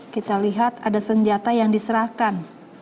kita lihat ada senjata yang diserahkan